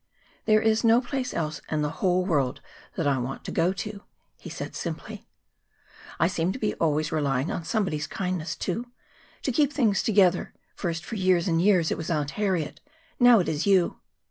"There is no place else in the whole world that I want to go to," he said simply. "I seem to be always relying on somebody's kindness to to keep things together. First, for years and years, it was Aunt Harriet; now it is you."